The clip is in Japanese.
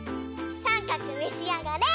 さんかくめしあがれ！